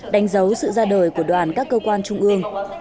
đánh dấu sự ra đời của đoàn các cơ quan trung ương